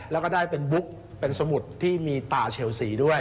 แล้วก็ได้เป็นบุ๊กเป็นสมุดที่มีป่าเชลซีด้วย